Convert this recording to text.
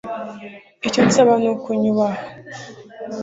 icyo nsaba ni uko unyubaha